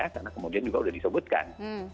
karena kemudian juga sudah disebutkan